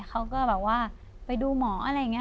เขาก็แบบว่าไปดูหมออะไรอย่างนี้